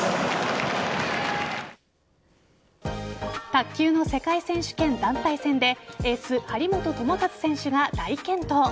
卓球の世界選手権団体戦でエース・張本智和選手が大健闘。